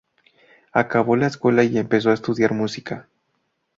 Acabó la escuela y empezó a estudiar música.